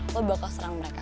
lo bakal serang mereka